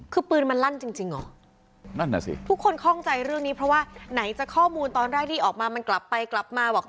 คือปืนมันลั่นจริงจริงเหรอนั่นน่ะสิทุกคนคล่องใจเรื่องนี้เพราะว่าไหนจะข้อมูลตอนแรกที่ออกมามันกลับไปกลับมาบอก